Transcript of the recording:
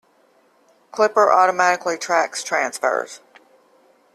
Clipper automatically tracks transfers.